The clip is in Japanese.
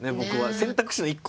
選択肢の一個。